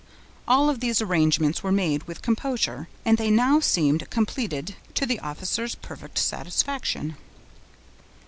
All of these arrangements were made with composure, and they now seemed completed to the officer's perfect satisfaction.